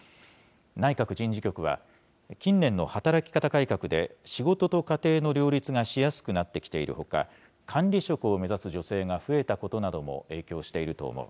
内閣人事局は、近年の働き方改革で仕事と家庭の両立がしやすくなってきているほか、管理職を目指す女性が増えたことなども影響していると思う。